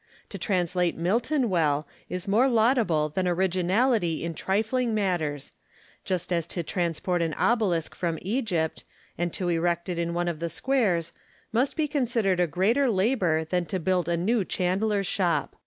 To translate Milton well is more laudable than originality in trifling matters; just as to transport an obelisk from Egypt, and to erect it in one of the squares, must be considered a greater labour than to build a new chandler's shop.